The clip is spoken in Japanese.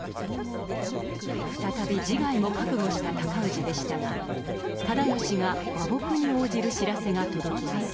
再び自害も覚悟した尊氏でしたが直義が和睦に応じる知らせが届きます。